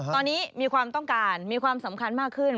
ตอนนี้มีความต้องการมีความสำคัญมากขึ้น